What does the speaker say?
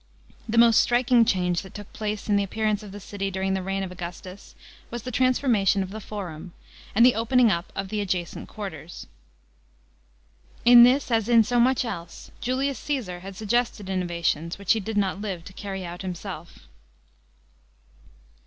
The most striking change that took place in the appearance of the city during the reign of Augustus was the transformation of the Forum, and the opening up of the adjacent quarters. In this, as in so much else, Julius Caesar had suggested innovations, which he did not live to carry out himself.